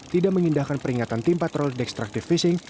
tidak mengindahkan peringatan tim patroli dextractive fishing